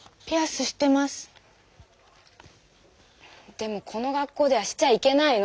でもこの学校ではしちゃいけないの。